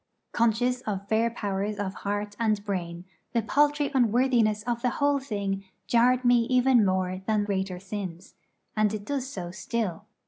Conscious of fair powers of heart and brain, the paltry unworthiness of the whole thing jarred me even more than greater sins; and it does so still.